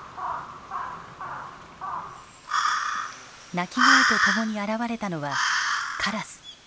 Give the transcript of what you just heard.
鳴き声とともに現れたのはカラス。